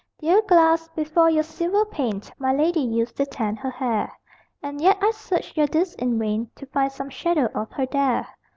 Dear glass, before your silver pane My lady used to tend her hair; And yet I search your disc in vain To find some shadow of her there.